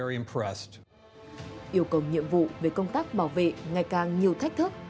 yêu cầu nhiệm vụ về công tác bảo vệ ngày càng nhiều thách thức